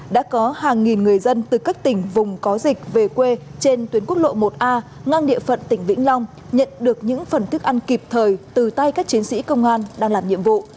đã có hàng nghìn người dân từ các tỉnh vùng có dịch về quê trên tuyến quốc lộ một a ngang địa phận tỉnh vĩnh long nhận được những phần thức ăn kịp thời từ tay các chiến sĩ công an đang làm nhiệm vụ